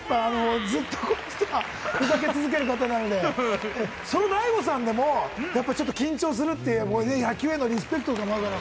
ずっとこの方はふざけ続ける方なんで、その大悟さんでもやっぱちょっと緊張するという野球へのリスペクトが。